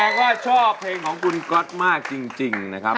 ว่าชอบเพลงของคุณก๊อตมากจริงนะครับ